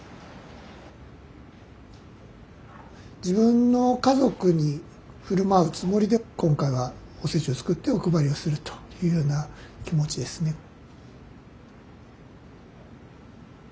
自分の家族に振る舞うつもりで今回はおせちを作ってお配りをするというような気持ちですね。